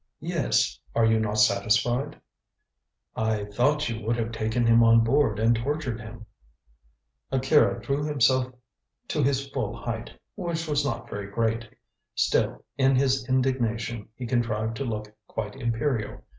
"Yes. Are you not satisfied?" "I thought you would have taken him on board and tortured him." Akira drew himself to his full height, which was not very great. Still in his indignation he contrived to look quite imperial.